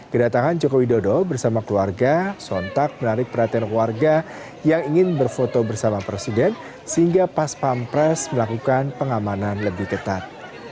kedatangan joko widodo bersama keluarga sontak menarik perhatian warga yang ingin berfoto bersama presiden sehingga pas pampres melakukan pengamanan lebih ketat